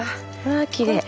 わきれい。